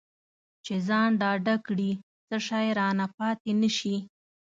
چې ځان ډاډه کړي څه شی رانه پاتې نه شي.